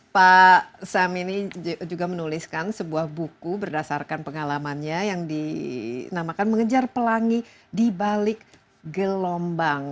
pak sam ini juga menuliskan sebuah buku berdasarkan pengalamannya yang dinamakan mengejar pelangi di balik gelombang